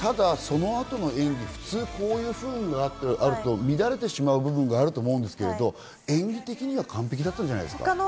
その後の演技、こういう不運があると、乱れてしまう部分があると思うんですけれども、演技的には完璧だったんじゃないですか？